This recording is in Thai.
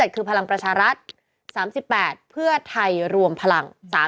คือพลังประชารัฐ๓๘เพื่อไทยรวมพลัง